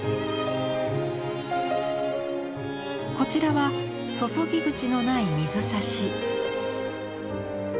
こちらは注ぎ口のない水差し。